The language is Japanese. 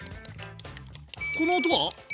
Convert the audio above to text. この音は？